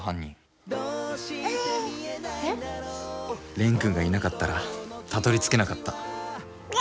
蓮くんがいなかったらたどりつけなかった。